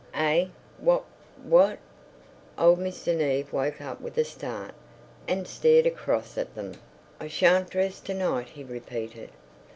"Eh, what, what?" Old Mr. Neave woke with a start and stared across at them. "I shan't dress to night," he repeated.